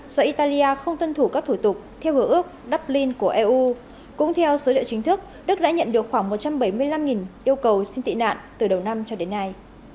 do italia không tuân thủ các thủ tục theo hứa ước dublin của eu cũng theo số liệu chính thức đức đã nhận được khoảng một trăm bảy mươi năm yêu cầu xin tị nạn từ đầu năm cho đến nay